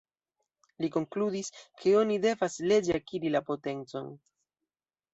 Li konkludis, ke oni devas leĝe akiri la potencon.